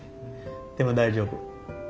でも大丈夫。